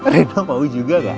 rena mau juga gak